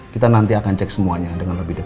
kita nanti akan cek semuanya dengan lebih detail